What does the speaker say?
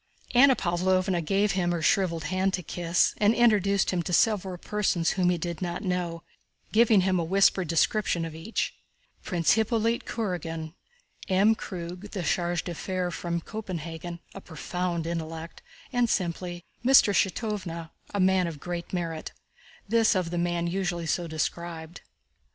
Anna Pávlovna gave him her shriveled hand to kiss and introduced him to several persons whom he did not know, giving him a whispered description of each. "Prince Hippolyte Kurágin—charming young fellow; M. Kronq,—chargé d'affaires from Copenhagen—a profound intellect," and simply, "Mr. Shítov—a man of great merit"—this of the man usually so described.